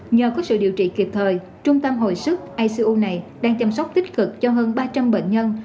nhờ có sự điều trị kịp thời trung tâm hồi sức acu này đang chăm sóc tích cực cho hơn ba trăm linh bệnh nhân